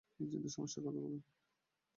নিশ্চিন্তে সমস্যার কথা বলুন।